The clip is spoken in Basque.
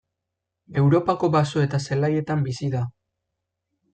Europako baso eta zelaietan bizi da.